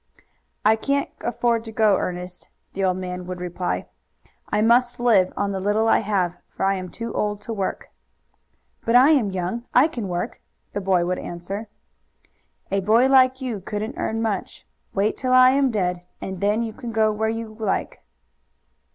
"I can't afford to go, Ernest," the old man would reply. "I must live on the little I have, for I am too old to work." "But I am young. I can work," the boy would answer. "A boy like you couldn't earn much. Wait till I am dead, and then you can go where you like."